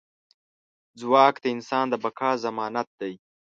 ځواک د انسان د بقا ضمانت دی.